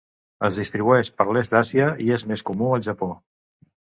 Es distribueix per l'est d'Àsia, i és més comú al Japó.